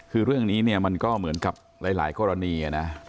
คือเรื่องนี้เนี่ยมันก็เหมือนกับหลายกรณีนะ